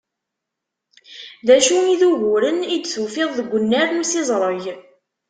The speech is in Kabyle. D acu i d uguren i d-tufiḍ deg unnar n usizreg?